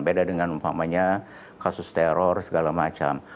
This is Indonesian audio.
beda dengan umpamanya kasus teror segala macam